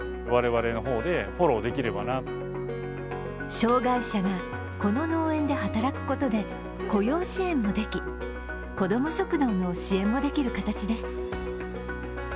障害者がこの農園で働くことで雇用支援もでき子ども食堂の支援もできる形です。